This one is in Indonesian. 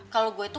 kalau gue itu